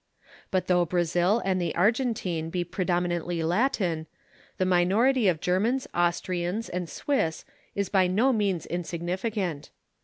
But though Brazil and the Argentine be predominantly Latin, the minority of Germans, Austrians, and Swiss is by no means insignificant.